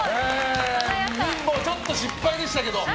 リンボーちょっと失敗でしたけど。